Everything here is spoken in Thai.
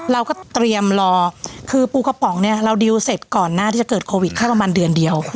เราก็เตรียมคือปูกระป๋องเราก็ดิวเสร็จก่อนหน้าที่จะเกิดโควิด